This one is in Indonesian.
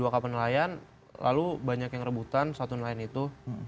dua kapal nelayan lalu banyak yang rebutan satu nelayan itu